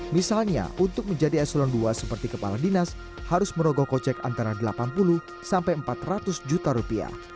misalnya untuk menjadi eselon dua seperti kepala dinas harus merogoh kocek antara delapan puluh sampai empat ratus juta rupiah